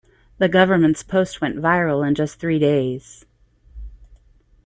The government's post went viral in just three days.